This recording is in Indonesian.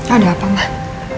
ada apa gak